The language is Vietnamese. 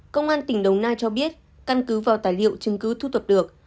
công an tỉnh đồng nai cho biết căn cứ vào tài liệu chứng cứ thu thập được